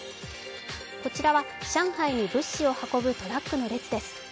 こちらは上海に物資を運ぶトラックの列です。